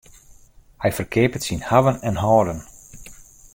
Hy ferkeapet syn hawwen en hâlden.